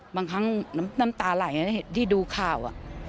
บางครั้งน้ำตาหลายได้เห็นที่ดูข่าว